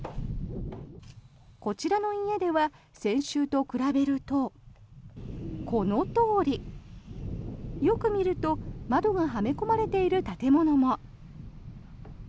こちらの家では先週と比べると、このとおり。よく見ると窓がはめ込まれている建物も。